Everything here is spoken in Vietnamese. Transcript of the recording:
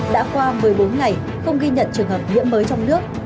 đã qua một mươi bốn ngày không ghi nhận trường hợp nhiễm mới trong nước